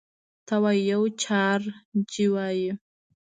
ته وا یو جارچي وايي: